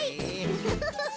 フフフフフ。